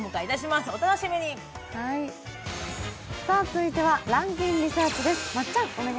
続いては「ランキンリサーチ」です。